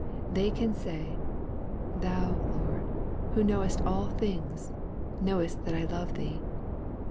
They can say, " Thou, Lord, who knowest all things, knowest that I love Thee."